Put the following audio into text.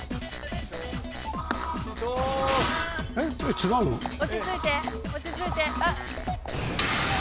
違うの⁉落ち着いて落ち着いて。